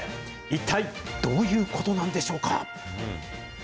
一体どういうことなんでしょうか。